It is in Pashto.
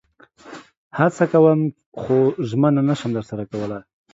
هڅه کوم خو ژمنه نشم درسره کولئ